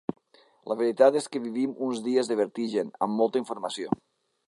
La veritat és que vivim uns dies de vertigen, amb molta informació.